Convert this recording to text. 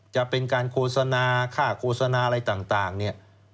จะเป็นการโฆษณาค่าโฆษณาอะไรต่างเนี่ย